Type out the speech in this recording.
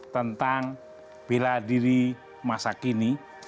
tentang bela diri masa kini